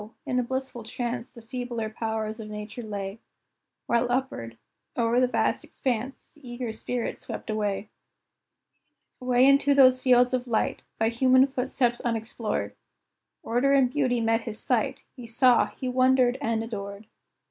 in a blissful trance The feebler powers of Nature lay, While upward, o'er the vast expanse, His eager spirit swept away, Away into those fields of light, By human footsteps unexplored; Order and beauty met his sight He saw, he wondered, and adored!